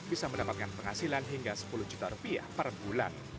bisa mendapatkan penghasilan hingga sepuluh juta rupiah per bulan